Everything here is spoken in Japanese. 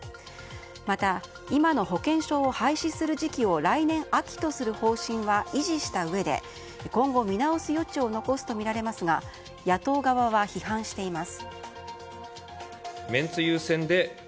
また、今の保険証を廃止する時期を来年秋とする方針は維持したうえで、今後見直す余地を残すとみられますが野党側は批判しています。